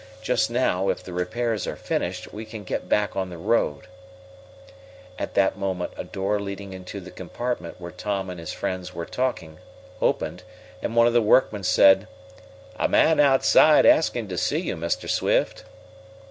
Just now, if the repairs are finished, we can get back on the road " At that moment a door leading into the compartment where Tom and his friends were talking opened, and one of the workmen said: "A man outside asking to see you, Mr. Swift."